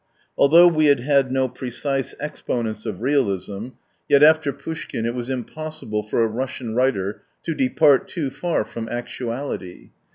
Although we had had no precise exponents of realism, 27 yet after Poushkin it was impossible for a Russian writer to depart too far from actuality.